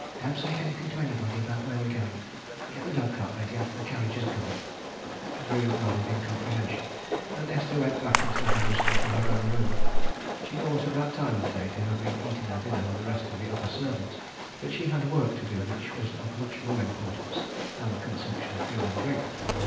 "Don't say anything to anybody about where we're going. Get the dog cart ready after the carriage has gone." The groom nodded in comprehension, and Esther went back to the house and to her own room. She ought at that time of day to have been eating her dinner with the rest of the upper servants, but she had work to do which was of much more importance than the consumption of food and drink.